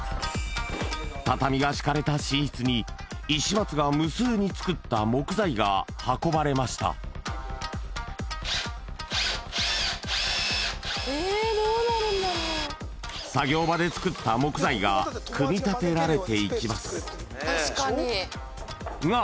畳が敷かれた寝室に石松が無数に作った木材が運ばれました作業場で作った木材が組み立てられていきますが！